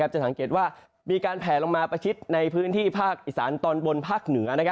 จะสังเกตว่ามีการแผลลงมาประชิดในพื้นที่ภาคอีสานตอนบนภาคเหนือ